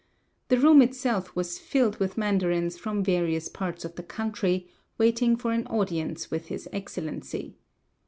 The room itself was filled with mandarins from various parts of the country, waiting for an audience with his excellency.